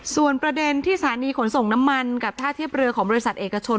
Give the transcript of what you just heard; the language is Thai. ส่วนประเด็นที่สถานีขนส่งน้ำมันกับท่าเทียบเรือของบริษัทเอกชน